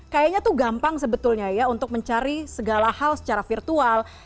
sepertinya itu mudah untuk mencari segala hal secara virtual